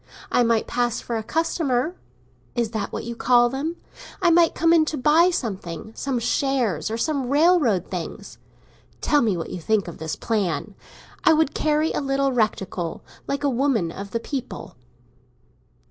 I might pass for a customer—is that what you call them? I might come in to buy something—some shares or some railroad things. Tell me what you think of this plan. I would carry a little reticule, like a woman of the people."